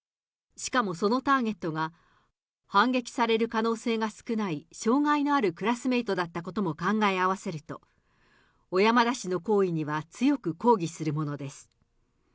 しかもそのターゲットが反撃される可能性が少ない障害のあるクラスメートだったことも考えあわせると、小山田氏の行為には強く抗議するものです。